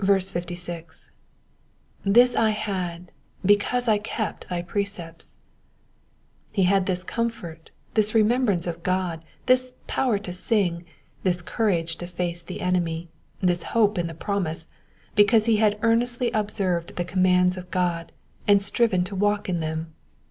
''*'ThU I had, 'because I kept thy precepts,'''' He had this comfort, this remembrance of God, this power to sing, this courage to face the enemy, this hope in the promise, because he had earnestly observed the commands of God, and striven to walk in them.